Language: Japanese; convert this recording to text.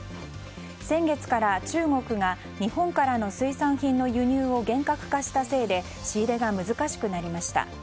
先月から中国が日本からの水産品の輸入を厳格化したせいで仕入れが難しくなりました。